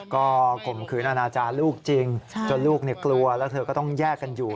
ก็ข่มขืนอนาจารย์ลูกจริงจนลูกกลัวแล้วเธอก็ต้องแยกกันอยู่